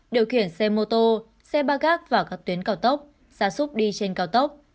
điều khiển xe mô tô xe ba gác vào các tuyến cao tốc xa xúc đi trên cao tốc